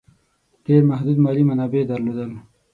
ډېر محدود مالي منابع درلودل.